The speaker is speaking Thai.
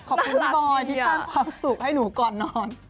ขอบคุณบอยที่สร้างความสุขให้หนูก่อนนอน